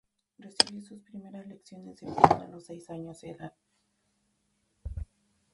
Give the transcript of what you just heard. Recibió sus primeras lecciones de piano a los seis años de edad.